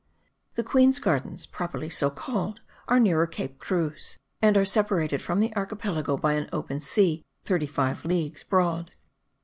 The Queen's Gardens, properly so called, are nearer Cape Cruz, and are separated from the archipelago by an open sea thirty five leagues broad.